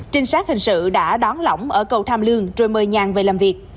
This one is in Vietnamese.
trinh sát hình sự đã đón lỏng ở cầu tham lương rồi mời nhàn về làm việc